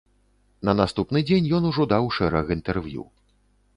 На наступны дзень ён ужо даў шэраг інтэрв'ю.